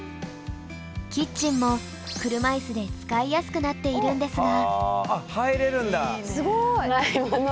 キッチンも車いすで使いやすくなっているんですが。